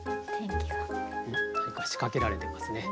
何か仕掛けられてますね。